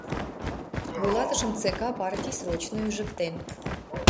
— Вуйлатышым ЦК партий срочно ӱжыктен.